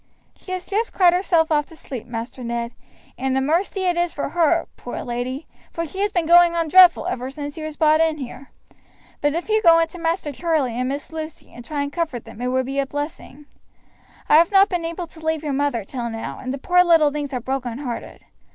"She has just cried herself off to sleep, Master Ned, and a mercy it is for her, poor lady, for she has been going on dreadful ever since he was brought in here; but if you go in to Master Charlie and Miss Lucy and try and comfort them it would be a blessing. I have not been able to leave your mother till now, and the poor little things are broken hearted.